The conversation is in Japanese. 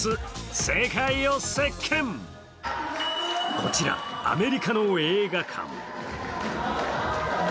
こちら、アメリカの映画館。